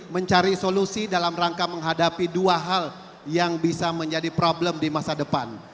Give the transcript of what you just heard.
mencari solusi dalam rangka menghadapi dua hal yang bisa menjadi problem di masa depan